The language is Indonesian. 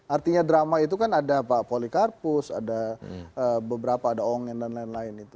artinya drama itu kan ada pak polikarpus ada beberapa ada ongen dan lain lain